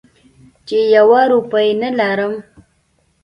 چې یوه روپۍ نه لرم.